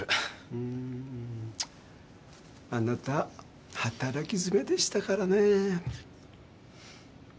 うーん。あなた働きづめでしたからねえ。